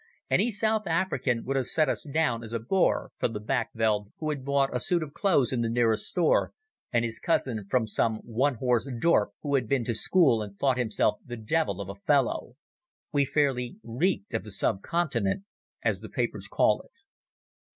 Any South African would have set us down as a Boer from the back veld who had bought a suit of clothes in the nearest store, and his cousin from some one horse dorp who had been to school and thought himself the devil of a fellow. We fairly reeked of the sub continent, as the papers call it.